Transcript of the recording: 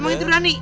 emang itu berani